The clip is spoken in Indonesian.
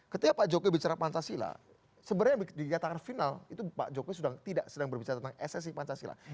ketika pak jokowi bicara pancasila sebenarnya dikatakan final itu pak jokowi sudah tidak sedang berbicara tentang esensi pancasila